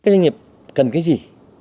các doanh nghiệp cần cái gì